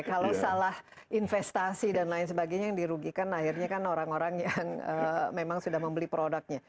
kalau salah investasi dan lain sebagainya yang dirugikan akhirnya kan orang orang yang memang sudah membeli produknya